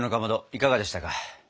いかがでしたか？